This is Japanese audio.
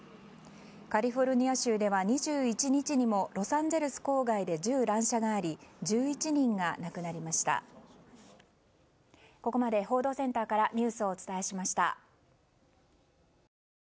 カリフォルニア州では２１日にもロサンゼルス郊外で銃乱射がありブンブンハロースマホデビュー！